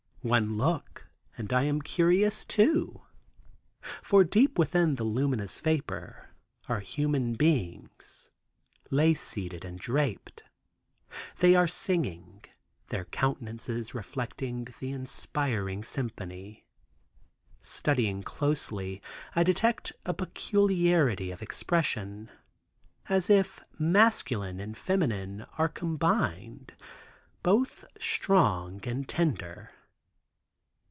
One look, and I am curious too. For deep within the luminous vapor are human beings, lace seated and draped. They are singing, their countenances reflecting the inspiring symphony. Studying closely, I detect a peculiarity of expression, as if masculine and feminine are combined, both strong and tender.